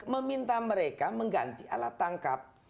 meminta mereka mengganti alat tangkap